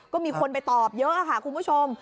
ก็มีคนไปตอบเยอะค่ะคุณผู้ชม